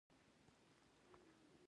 زه د کوچنیو نعمتو قدر کوم.